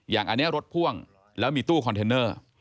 อย่างอันนี้รถพ่วงแล้วมีตู้คอนเทนเนอร์